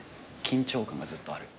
緊張感がずっとある。